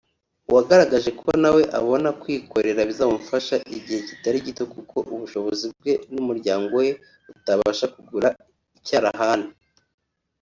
wagaragaje ko nawe abona kwikorera bizamufata igihe kitari gito kuko ubushobozi bwe n’umuryango we butabasha kugura icyarahani